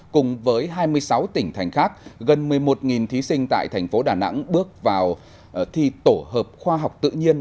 cùng với hai mươi sáu tỉnh thành khác gần một mươi một thí sinh tại thành phố đà nẵng bước vào thi tổ hợp khoa học tự nhiên